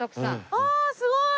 ああすごい！